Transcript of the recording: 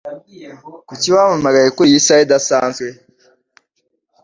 Kuki wampamagaye kuriyi saha idasanzwe?